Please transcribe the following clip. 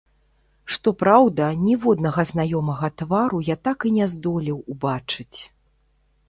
Што праўда, ніводнага знаёмага твару я так і не здолеў убачыць.